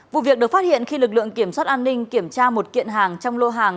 vụ việc được phát hiện khi lực lượng kiểm soát an ninh kiểm tra một kiện hàng trong lô hàng